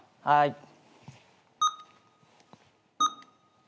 はい。